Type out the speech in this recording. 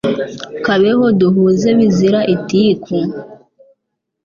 Kabeho duhuze bizira itiku